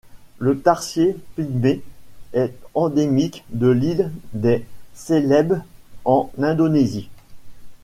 Le tarsier pygmée est endémique de l'île des Célèbes en Indonésie.